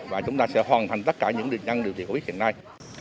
và chúng ta sẽ hoàn thành tất cả những lực nhận điều trị của bệnh viện hiện nay